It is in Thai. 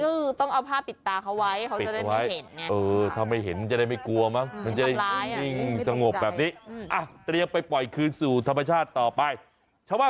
อืมแต่นี่ก็คือต้องเอาผ้าปิดตาเขาไว้